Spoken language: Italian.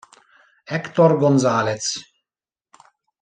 Héctor González